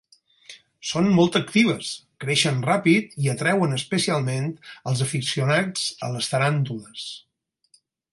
Són molt actives, creixen ràpid i atreuen especialment els aficionats a les taràntules.